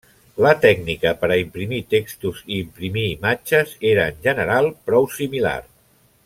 La tècnica per a imprimir textos i imprimir imatges era en general prou similar.